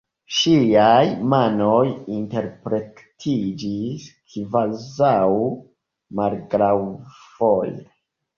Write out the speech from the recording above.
Ŝiaj manoj interplektiĝis kvazaŭ malgraŭvole.